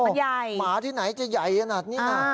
มันใหญ่หมาที่ไหนจะใหญ่น่ะนี่น่ะ